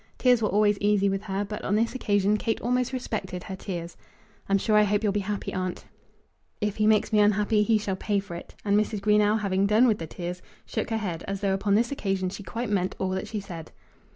Tears were always easy with her, but on this occasion Kate almost respected her tears. "I'm sure I hope you'll be happy, aunt." "If he makes me unhappy he shall pay for it;" and Mrs. Greenow, having done with the tears, shook her head, as though upon this occasion she quite meant all that she said.